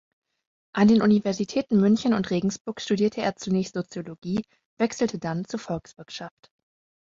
An den Universitäten München und Regensburg studierte er zunächst Soziologie, wechselte dann zu Volkswirtschaft.